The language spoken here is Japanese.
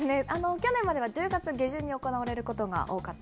去年までは１０月下旬に行われることが多かった